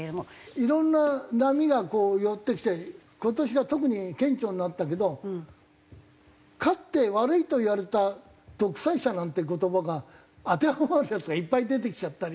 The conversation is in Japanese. いろんな波が寄ってきて今年が特に顕著になったけどかつて悪いといわれた「独裁者」なんて言葉が当てはまるヤツがいっぱい出てきちゃったり。